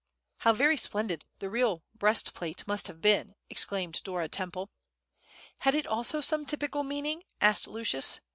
"How very splendid the real breastplate must have been!" exclaimed Dora Temple. "Had it also some typical meaning?" asked Lucius.